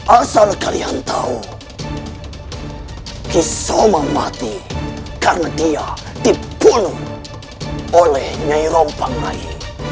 asal kalian tahu kisoma mati karena dia dibunuh oleh nyai rompang rai